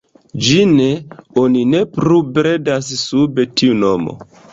Ĝin oni ne plu bredas sub tiu nomo.